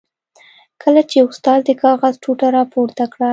کله چې استاد د کاغذ ټوټه را پورته کړه.